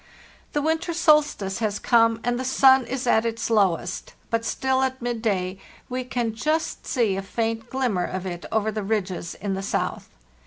"The winter solstice has come, and the sun is at its lowest; but still at midday we can just see a faint glim mer of it over the ridges in the south.